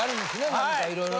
何かいろいろ。